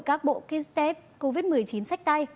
các bộ kit test covid một mươi chín sách tay